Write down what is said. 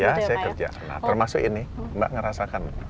ya saya kerja nah termasuk ini mbak ngerasakan